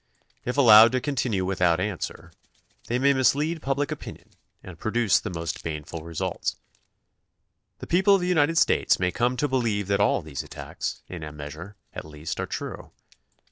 If allowed to continue without answer, they may mislead public opinion and produce the most baneful results. The people of the United States may come to believe that all these attacks, in a measure, at least, are true.